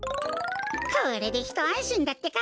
これでひとあんしんだってか。